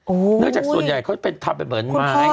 โอ้โหโอ้เนื่องจากส่วนใหญ่เขาจะทำมาเหมือนไม้